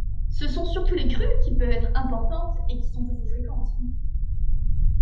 Ce sont surtout les crues qui peuvent être importantes et qui sont assez fréquentes.